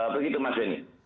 begitu mas denny